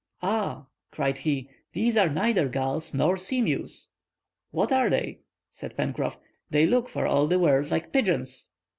"Ah!" cried he, "these are neither gulls nor sea mews." "What are they?" said Pencroff. "They look for all the world like pigeons."